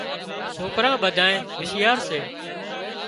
سوڪران ٻڌانئين هوشيار سي